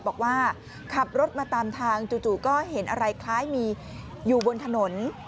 บอกว่าขับรถมาตามทางจู่ก็เห็นอะไรคล้ายมีอยู่บนถนน